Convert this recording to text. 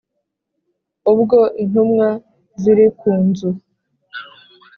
ubwo intumwa ziri ku nzu.